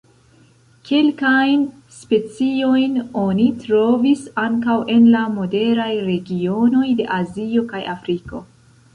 Kelkajn speciojn oni trovis ankaŭ en la moderaj regionoj de Azio kaj Afriko.